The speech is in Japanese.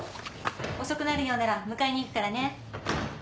遅くなるようなら迎えに行くからね。